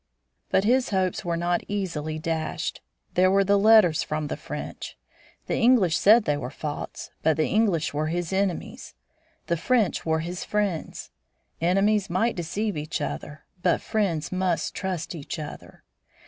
But his hopes were not easily dashed. There were the letters from the French. The English said they were false, but the English were his enemies. The French were his friends. Enemies might deceive each other, but friends must trust each other.